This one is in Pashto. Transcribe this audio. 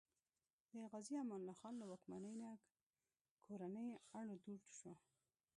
د غازي امان الله خان له واکمنۍ نه کورنی اړو دوړ شو.